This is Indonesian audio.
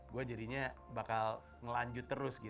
gue jadinya bakal ngelanjut terus gitu